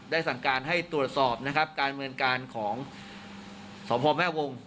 ได้สั่งการให้ตรวจสอบการดำเนินการของสมพพ่อแม่วง